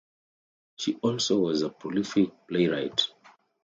She also was a prolific playwright.